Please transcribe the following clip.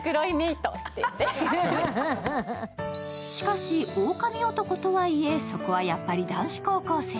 しかしオオカミ男とはいえそこはやっぱり男子高校生。